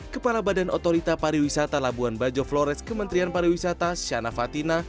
kepala badan otorita pariwisata labuan bajo flores kementerian pariwisata shana fatina